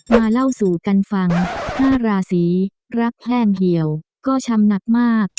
เล่าสู่กันฟัง๕ราศีรักแห้งเหี่ยวก็ช้ำหนักมาก